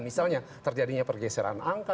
misalnya terjadinya pergeseran angka